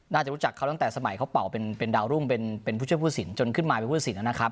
น่าจะรู้จักเขาตั้งแต่สมัยเขาเป่าเป็นดาวรุ่งเป็นผู้ช่วยผู้สินจนขึ้นมาเป็นผู้ตัดสินนะครับ